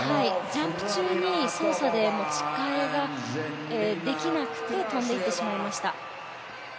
ジャンプ中に操作で持ち替えができなくて飛んでいってしまいました。